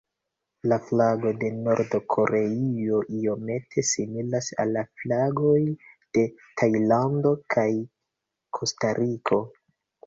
La flago de Nord-Koreio iomete similas al la flagoj de Tajlando kaj Kostariko.